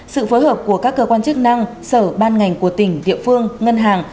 sự phối hợp của các cơ quan chức năng sở ban ngành của tỉnh địa phương ngân hàng